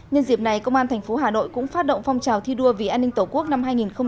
nhân dịp này công an tp hà nội cũng phát động phong trào thi đua vì an ninh tổ quốc năm hai nghìn hai mươi